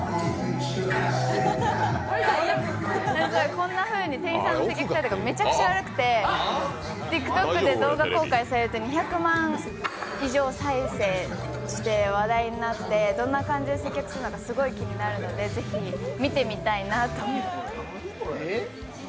こんなふうに店員さんの態度がめちゃくちゃ悪くてＴｉｋＴｏｋで動画公開されて２００万以上再生されて話題になってどんな感じで接客するのかすごい気になるのでぜひ、見てみたいなと。